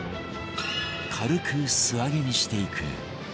軽く素揚げにしていく